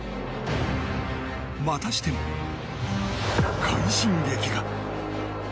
またしても快進撃が。